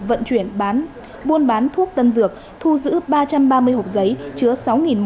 vận chuyển bán buôn bán thuốc tân dược thu giữ ba trăm ba mươi hộp giấy